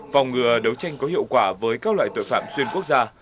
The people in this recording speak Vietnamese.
phòng ngừa đấu tranh có hiệu quả với các loại tội phạm xuyên quốc gia